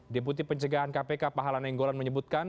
deputi pencegahan kpk pahalana inggolan menyebutkan